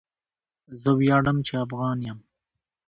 زه وياړم چي افغان يم.